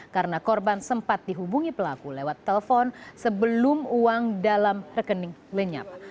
karena korban sempat dihubungi pelaku lewat telpon sebelum uang dalam rekening lenyap